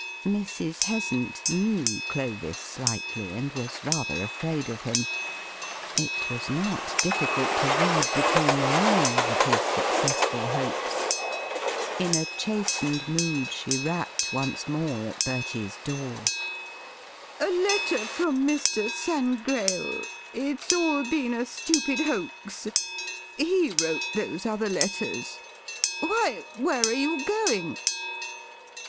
Mrs. Heasant knew Clovis slightly, and was rather afraid of him. It was not difficult to read between the lines of his successful hoax. In a chastened mood she rapped once more at Bertie's door. "A letter from Mr. Sangrail. It's all been a stupid hoax. He wrote those other letters. Why, where are you going?"